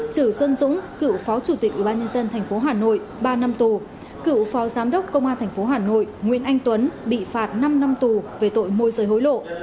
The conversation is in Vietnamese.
trừ xuân dũng cựu phó chủ tịch ubnd tp hà nội ba năm tù cựu phó giám đốc công an tp hà nội nguyễn anh tuấn bị phạt năm năm tù về tội môi rời hối lộ